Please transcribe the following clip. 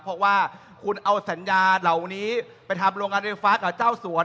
เพราะว่าคุณเอาสัญญาเหล่านี้ไปทำโรงการไฟฟ้ากับเจ้าสัว